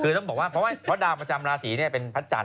คือต้องบอกว่าเพราะว่าดาวประจำราศีเนี่ยเป็นพัฒน์